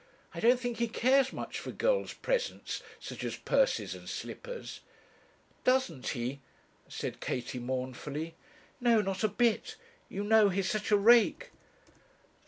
I don't think he cares much for girls' presents, such as purses and slippers.' 'Doesn't he?' said Katie, mournfully. 'No; not a bit. You know he's such a rake.' 'Oh!